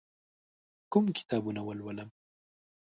کوم کتابونه ولولم؟